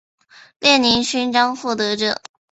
列宁勋章获得者。